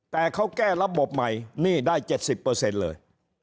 แต่เขาแก้ระบบใหม่นี่ได้๗๐เลย